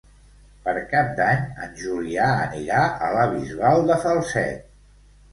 Per Cap d'Any en Julià anirà a la Bisbal de Falset.